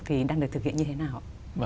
thì đang được thực hiện như thế nào